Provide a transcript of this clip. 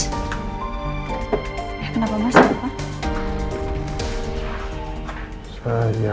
eh kenapa mas kenapa